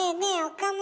岡村。